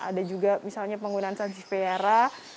ada juga misalnya penggunaan transis pera